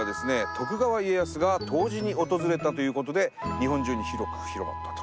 徳川家康が湯治に訪れたということで日本中に広く広まったと。